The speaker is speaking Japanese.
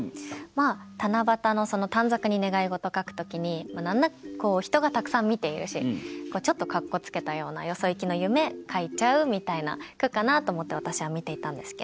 まあ七夕の短冊に願い事書く時に人がたくさん見ているしちょっとかっこつけたようなよそいきの夢書いちゃうみたいな句かなと思って私は見ていたんですけど。